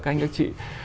các anh các chị